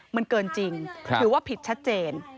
มันเกินจริงถือว่าผิดชัดเจน